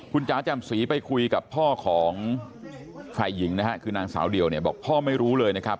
คุณจ๋าจำศรีไปคุยกับพ่อของฝ่ายหญิงนะฮะคือนางสาวเดียวเนี่ยบอกพ่อไม่รู้เลยนะครับ